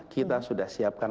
kita sudah siapkan